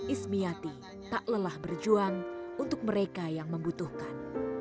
ismiati tak lelah berjuang untuk mereka yang membutuhkan